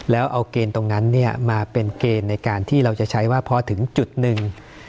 แล้วเอาเกณฑ์ตรงนั้นมาเป็นเกณฑ์ในการที่เราจะใช้ว่าพอถึงจุดหนึ่ง